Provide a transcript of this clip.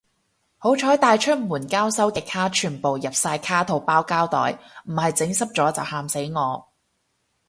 好彩帶出門交收嘅卡全部入晒卡套包膠袋，唔係整濕咗就喊死我